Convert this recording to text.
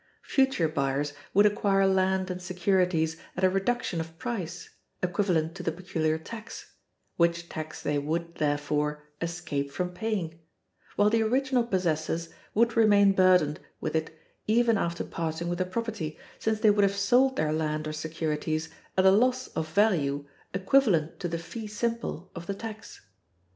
Future buyers would acquire land and securities at a reduction of price, equivalent to the peculiar tax, which tax they would, therefore, escape from paying; while the original possessors would remain burdened with it even after parting with the property, since they would have sold their land or securities at a loss of value equivalent to the fee simple of the tax.